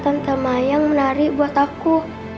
tante mayang menari buat aku